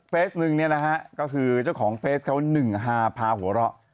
หนึ่งเนี่ยนะฮะก็คือเจ้าของเฟสเขา๑๕พาหัวเราะ